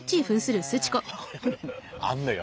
あんのよ。